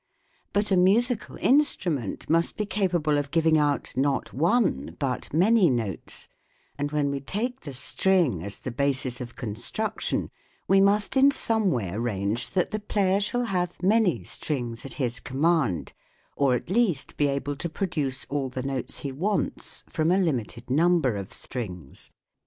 But a musical instrument must be capable of giving out, not one, but many notes, and when we take the string as the basis of construction we must in some way arrange that the player shall have many strings at his command, or at least be able to produce all the notes he wants from a limited number of strings.